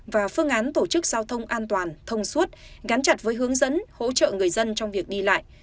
và phương án tổ chức giao thông an toàn thông suốt gắn chặt với hướng dẫn hỗ trợ người dân trong việc đi lại